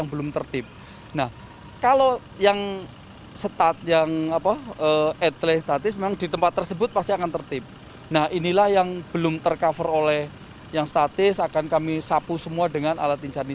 nah inilah yang belum tercover oleh yang statis akan kami sapu semua dengan alat inchar ini